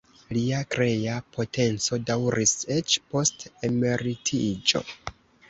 Lia krea potenco daŭris eĉ post emeritiĝo.